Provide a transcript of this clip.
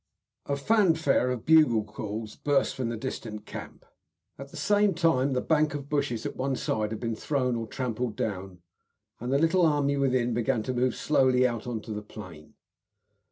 A fanfare of bugle calls burst from the distant camp. At the same time the bank of bushes at one side had been thrown or trampled down, and the little army within began to move slowly out on to the plain.